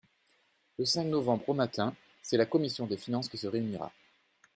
Le cinq novembre au matin, c’est la commission des finances qui se réunira.